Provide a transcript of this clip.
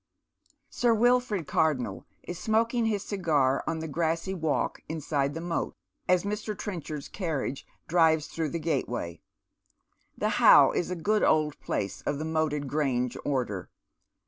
vSir Wilford Cardonnel is smoking liis cigar on the grassy walk inside the moat as Mr. Trenchard's carriage drives through the gateway. The How is a good old place of the moated grange order.